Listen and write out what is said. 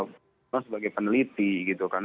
beliau sebagai peneliti gitu kan